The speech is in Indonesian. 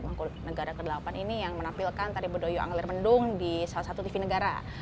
mangkuluk negara ke delapan ini yang menampilkan tari bedoyo anglir mendung di salah satu tv negara